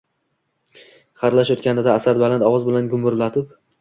Xayrlashayotganida Asad baland ovoz bilan gumburlatib: